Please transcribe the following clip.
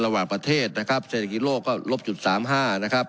ระหว่างประเทศนะครับเศรษฐกิจโลกก็ลบจุดสามห้านะครับ